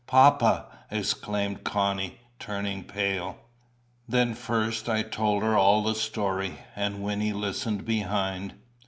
"Papa!" exclaimed Connie, turning pale. Then first I told her all the story. And Wynnie listened behind.